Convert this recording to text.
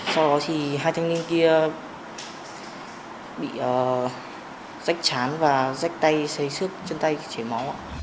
sau đó thì hai thanh niên kia bị rách chán và rách tay xây xước chân tay chảy mó